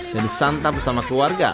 dan disantap sama keluarga